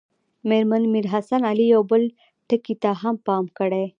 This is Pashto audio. مېرمن میر حسن علي یو بل ټکي ته هم پام کړی.